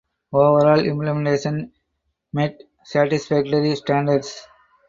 Overall implementation met "satisfactory" standards.